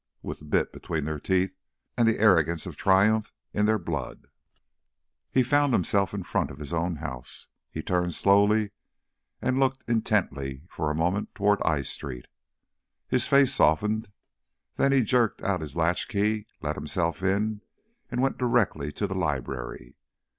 With the bit between their teeth and the arrogance of triumph in their blood " He found himself in front of his own house. He turned slowly and looked intently for a moment toward I Street. His face softened, then he jerked out his latchkey, let himself in and went directly to the library.